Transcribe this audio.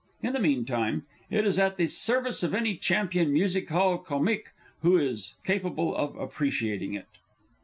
In the meantime it is at the service of any Champion Music Hall Comique who is capable of appreciating it.